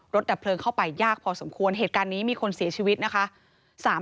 ดับเพลิงเข้าไปยากพอสมควรเหตุการณ์นี้มีคนเสียชีวิตนะคะ